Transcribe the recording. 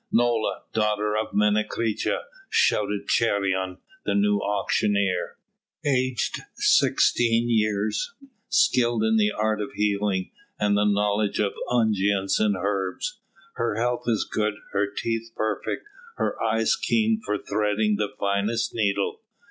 "Nola, daughter of Menecreta," shouted Cheiron, the new auctioneer, "aged sixteen years, skilled in the art of healing, and the knowledge of unguents and herbs. Her health is good, her teeth perfect, and her eyes keen for threading the finest needle.